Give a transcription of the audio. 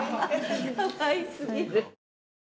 かわいすぎる。